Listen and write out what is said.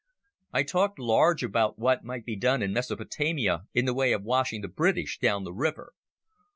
I talked large about what might be done in Mesopotamia in the way of washing the British down the river.